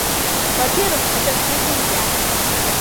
Во-первых, это скрыть нельзя.